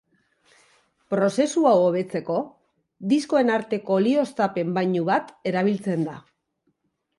Prozesu hau hobetzeko diskoen arteko olioztapen-bainu bat erabiltzen da.